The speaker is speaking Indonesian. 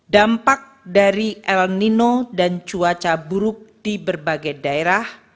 dampak dari el nino dan cuaca buruk di berbagai daerah